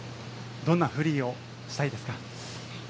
どんなフリーをしたいですか？